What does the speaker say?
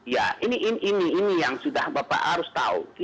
ya ini yang sudah bapak harus tahu